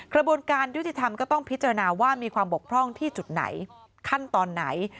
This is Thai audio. กระบวนการยุติธรรมก็ต้องพิจารณาว่ามีความบกพร่องที่จุดไหนขั้นตอนไหน